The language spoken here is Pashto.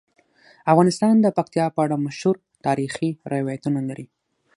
افغانستان د پکتیا په اړه مشهور تاریخی روایتونه لري.